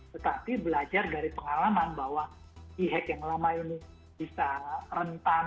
tetapi belajar dari pengalaman bahwa e hack yang lama ini bisa rentan